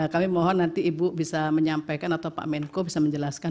kami mohon nanti ibu bisa menyampaikan atau pak menko bisa menjelaskan